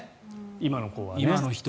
今の子は。